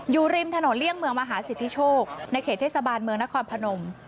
อยู่ริมถนนเลี่ยงเมืองมหาสิทธิโชคในเขตเทศบาลเมืองนครพนม